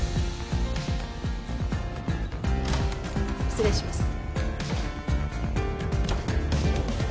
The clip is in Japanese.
失礼します。